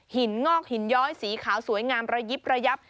งอกหินย้อยสีขาวสวยงามระยิบระยับ